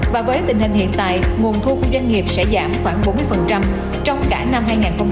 và với tình hình hiện tại nguồn thu của doanh nghiệp sẽ giảm khoảng bốn mươi trong cả năm hai nghìn hai mươi